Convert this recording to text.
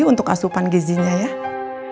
jadi bu elsa harus lebih perhatikan lagi